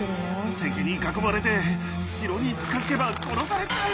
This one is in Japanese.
敵に囲まれて城に近づけば殺されちゃうよ。